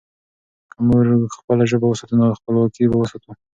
که موږ خپله ژبه وساتو، نو خپلواکي به وساتو.